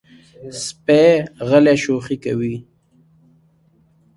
سپي غلی شوخي کوي.